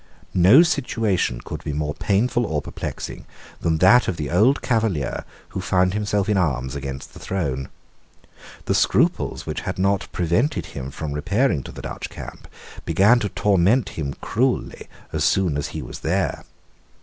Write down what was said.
No situation could be more painful or perplexing than that of the old Cavalier who found himself in arms against the throne. The scruples which had not prevented him from repairing to the Dutch camp began to torment him cruelly as soon as he was there.